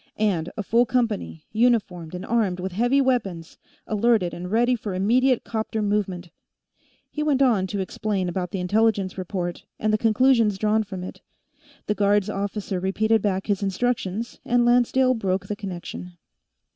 And a full company, uniformed and armed with heavy weapons, alerted and ready for immediate 'copter movement." He went on to explain about the intelligence report and the conclusions drawn from it. The guards officer repeated back his instructions, and Lancedale broke the connection.